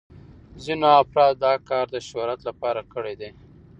ځینو افرادو دا کار د شهرت لپاره کړی دی.